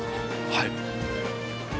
はい。